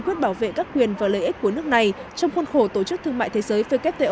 giải các quyền và lợi ích của nước này trong khuôn khổ tổ chức thương mại thế giới